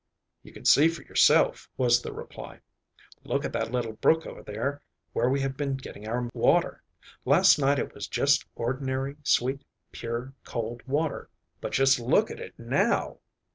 "You can see for yourself," was the reply. "Look at that little brook over there where we have been getting our water. Last night it was just ordinary sweet, pure, cold water, but just look at it now."